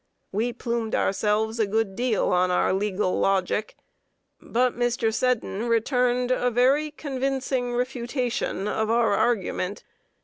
We plumed ourselves a good deal on our legal logic, but Mr. Seddon returned a very convincing refutation of our argument.